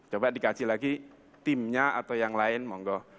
coba dikaji lagi timnya atau yang lain monggo